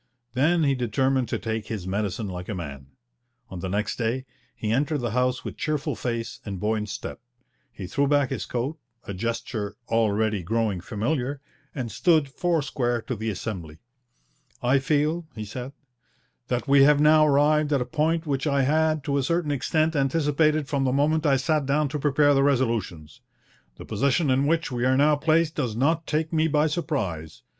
Then he determined to take his medicine like a man. On the next day he entered the House with cheerful face and buoyant step. He threw back his coat, a gesture already growing familiar, and stood four square to the Assembly. 'I feel,' he said, 'that we have now arrived at a point which I had to a certain extent anticipated from the moment I sat down to prepare the resolutions ... the position in which we are now placed does not take me by surprise. ..